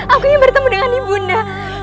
aku yang bertemu dengan ibu nda